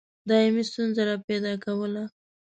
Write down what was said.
دایمي ستونزه را پیدا کوله.